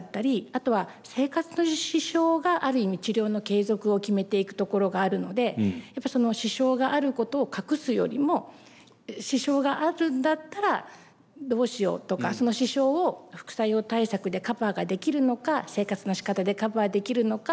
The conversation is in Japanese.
あとは生活の支障がある意味治療の継続を決めていくところがあるので支障があることを隠すよりも支障があるんだったらどうしようとかその支障を副作用対策でカバーができるのか生活のしかたでカバーできるのか。